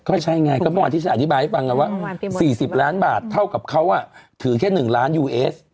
เขาใช่ไงก็พออธิษฐาอธิบายให้ฟังกันว่า๔๐ล้านบาทเท่ากับเขาถือแค่๑ล้านยูเอส